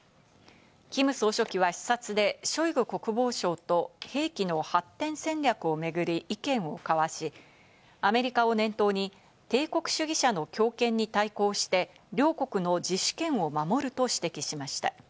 キム総書記は視察でショイグ国防相と兵器の発展戦略を巡り意見を交わしアメリカを念頭に帝国主義者の強権に対抗して、両国の自主権を守ると指摘しました。